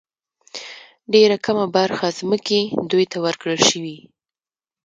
ډېره کمه برخه ځمکې دوی ته ورکړل شوې.